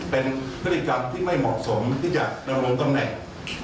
เป็นพฤติกรรมที่ไม่เหมาะสมที่จะดำรงตำแหน่ง